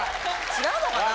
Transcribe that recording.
違うのかな？